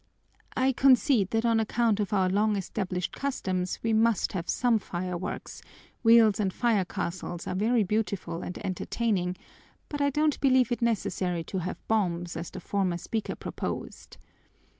I concede that on account of our long established customs we must have some fireworks; wheels and fire castles are very beautiful and entertaining, but I don't believe it necessary to have bombs, as the former speaker proposed.